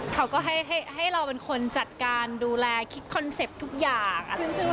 เขาก็ให้เราเป็นคนจัดการดูแลคิดคอนเซ็ปต์ทุกอย่าง